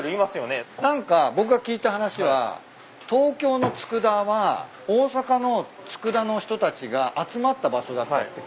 何か僕が聞いた話は東京の佃は大阪の佃の人たちが集まった場所だって聞いてて。